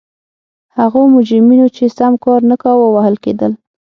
هغو مجرمینو چې سم کار نه کاوه وهل کېدل.